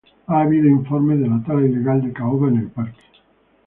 Ha habido informes de la tala ilegal de caoba en el parque.